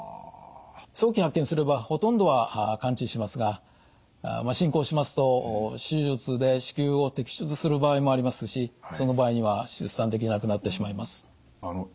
早期発見すればほとんどは完治しますが進行しますと手術で子宮を摘出する場合もありますしその場合には出産できなくなってしまいます。